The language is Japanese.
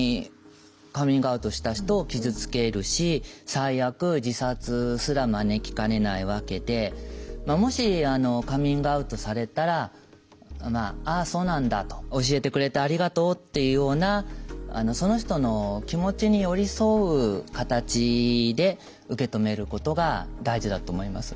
最悪自殺すら招きかねないわけでもしカミングアウトされたら「ああそうなんだ。教えてくれてありがとう」っていうようなその人の気持ちに寄り添う形で受け止めることが大事だと思います。